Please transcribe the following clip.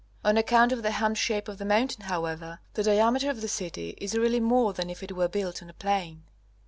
On account of the humped shape of the mountain, however, the diameter of the city is really more than if it were built on a plain.